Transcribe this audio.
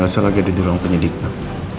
saya lagi ada di ruang penyidikan